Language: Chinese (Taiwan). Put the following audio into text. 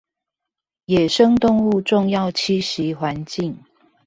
野生動物重要棲息環境